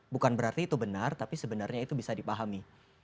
bukan berarti itu benar tapi sebenarnya itu bisa dipahami